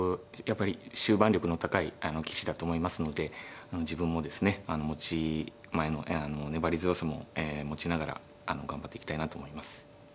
やっぱり終盤力の高い棋士だと思いますので自分もですね持ち前の粘り強さも持ちながら頑張っていきたいなと思います。